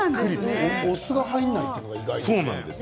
お酢が入らないというのが意外ですね。